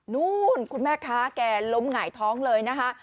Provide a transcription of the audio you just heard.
นู่นคุณแม่ค้าแกล้มหงายท้องเลยนะคะ